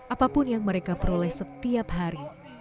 apapun yang mereka peroleh setiap hari